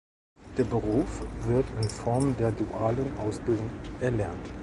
Der Beruf wird in Form der dualen Ausbildung erlernt.